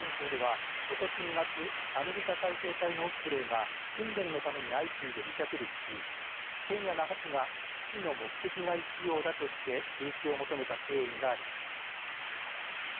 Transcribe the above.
那覇軍港では、ことし２月アメリカ海兵隊のオスプレイが訓練のために相次いでに着陸し県や那覇市が基地の目的外使用だとして中止を求めた経緯があります。